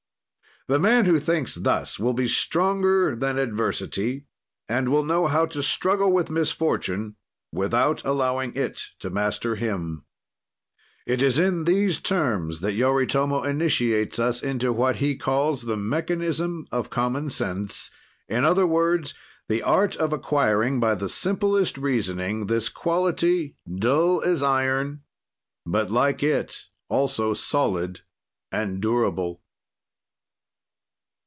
"The man who thinks thus will be stronger than adversity and will know how to struggle with misfortune without allowing it to master him." It is in these terms that Yoritomo initiates us into what he calls the mechanism of common sense; in other words, the art of acquiring by the simplest reasoning this quality dull as iron, but, like it, also solid and durable.